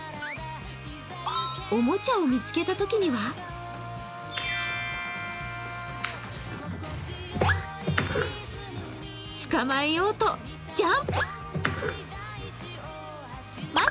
おもちゃを見つけたときには捕まえようと、ジャンプ！